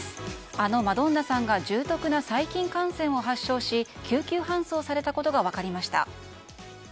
あのマドンナさんが重篤な細菌感染を発症し救急搬送されたことが分かりました。